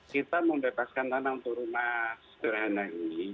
kita membebaskan tanah untuk rumah sederhana ini